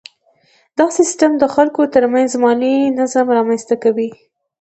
دا سیستم د خلکو ترمنځ مالي نظم رامنځته کوي.